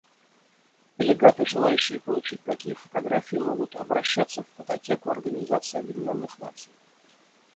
Делегаты, желающие получить такие фотографии, могут обращаться в Фототеку Организации Объединенных Наций.